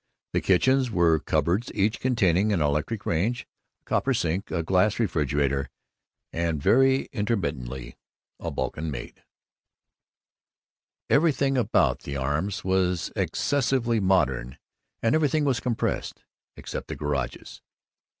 The kitchens were cupboards each containing an electric range, a copper sink, a glass refrigerator, and, very intermittently, a Balkan maid. Everything about the Arms was excessively modern, and everything was compressed except the garages.